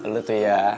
lo tuh ya